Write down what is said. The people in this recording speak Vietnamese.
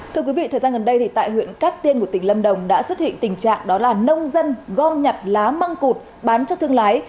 thưa quý vị thời gian gần đây tại huyện cát tiên của tỉnh lâm đồng đã xuất hiện tình trạng đó là nông dân gom nhặt lá măng cụt bán cho thương lái